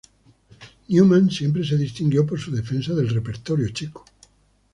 Neumann siempre se distinguió por su defensa del repertorio checo.